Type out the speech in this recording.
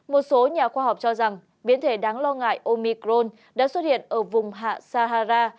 một số nhà khoa học cho rằng biến thể đáng lo ngại omicron đã xuất hiện ở vùng hạ sahara